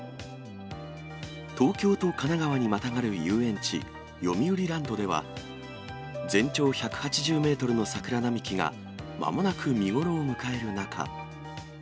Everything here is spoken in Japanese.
東京と神奈川にまたがる遊園地、よみうりランドでは、全長１８０メートルの桜並木がまもなく見頃を迎える中。